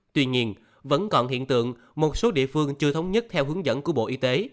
tuy nhiên vẫn còn hiện tượng một số địa phương chưa thống nhất theo hướng dẫn của bộ y tế